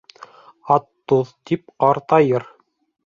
Ат тоҙ тип ҡартайыр